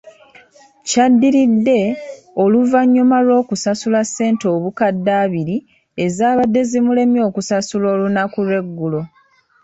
Kyadiridde, oluvannyuma lw'okusasula ssente obukadde abiri ezaabadde zimulemye okusasula olunaku lw'eggulo.